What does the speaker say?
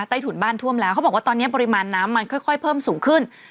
ถุนบ้านท่วมแล้วเขาบอกว่าตอนนี้ปริมาณน้ำมันค่อยเพิ่มสูงขึ้น